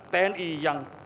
tni yang kuat